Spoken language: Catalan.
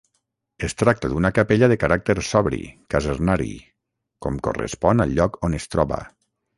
Es tracta d'una capella de caràcter sobri, casernari, com correspon al lloc on es troba.